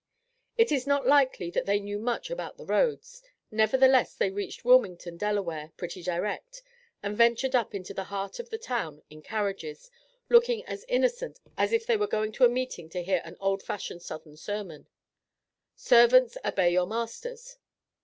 It is not likely that they knew much about the roads, nevertheless they reached Wilmington, Delaware, pretty direct, and ventured up into the heart of the town in carriages, looking as innocent as if they were going to meeting to hear an old fashioned Southern sermon "Servants, obey your masters."